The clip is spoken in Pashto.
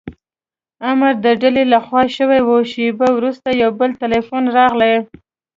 امر د ډلې له خوا شوی و، شېبه وروسته یو بل ټیلیفون راغلی.